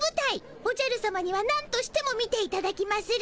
おじゃるさまにはなんとしても見ていただきまする。